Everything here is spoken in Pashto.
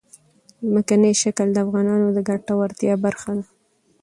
ځمکنی شکل د افغانانو د ګټورتیا برخه ده.